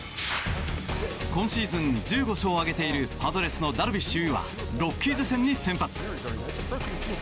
今シーズン１５勝を挙げているパドレスのダルビッシュ有はロッキーズ戦に先発。